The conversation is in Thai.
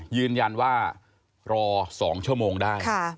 ยืนยันว่ารอ๒ชั่วโมงได้